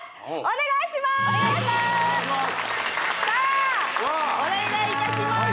お願いいたします